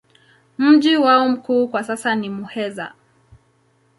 Mji wao mkuu kwa sasa ni Muheza.